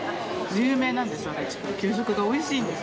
有名なんですよ、足立区は給食がおいしいんです。